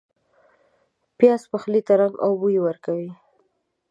پیاز پخلي ته رنګ او بوی ورکوي